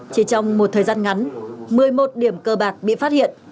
chỉ trong một thời gian ngắn một mươi một điểm cơ bạc bị phát hiện